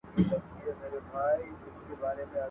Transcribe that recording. په کاشان کي به مي څه ښه په نصیب سي.